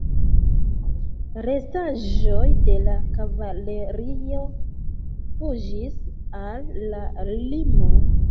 Restaĵoj de la kavalerio fuĝis al la limo.